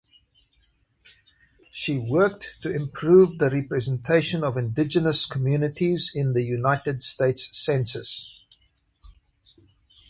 She worked to improve the representation of Indigenous communities in the United States census.